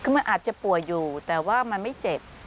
คือมันอาจจะป่วยอยู่แต่ว่ามันไม่เจ็บ